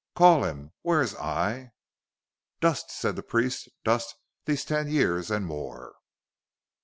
Call him! Where is Ay?" "Dust," said the priest. "Dust these ten years and more."